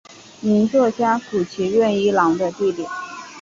名作家谷崎润一郎的弟弟。